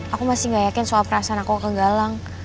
aku masih gak yakin soal perasaan aku kegalang